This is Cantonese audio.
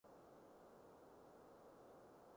現在又有了怎樣的進步了，